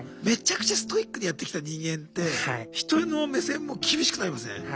めちゃくちゃストイックでやってきた人間って人への目線も厳しくなりません？